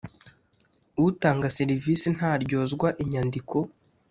utanga serivisi ntaryozwa inyandiko.